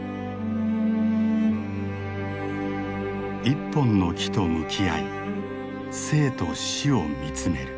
一本の木と向き合い生と死を見つめる。